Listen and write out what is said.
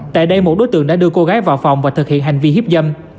tại đây một đối tượng đã đưa cô gái vào phòng và thực hiện hành vi hiếp dâm